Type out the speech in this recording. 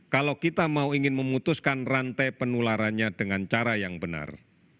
kalau kita mau ingin memutuskan rantai penularannya dengan cara yang benar